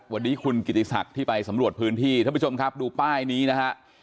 วันนี้คุณกิติศักดิ์ที่ไปสำรวจพื้นที่ท่านผู้ชมครับดูป้ายนี้นะฮะ